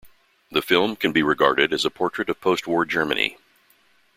The film can be regarded as a portrait of post-war Germany.